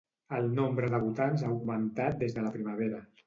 El nombre de votants ha augmentat des de la primavera?